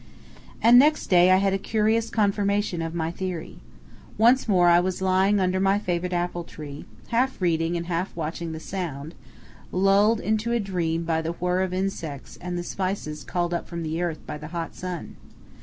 And next day I had a curious confirmation of my theory. Once more I was lying under my favorite apple tree, half reading and half watching the Sound, lulled into a dream by the whir of insects and the spices called up from the earth by the hot sun.